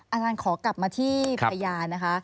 อาจารย์ขอกลับมาที่พยานนะคะ